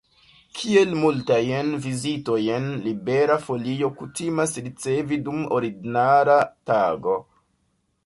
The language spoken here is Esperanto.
Kiel multajn vizitojn Libera Folio kutimas ricevi dum ordinara tago?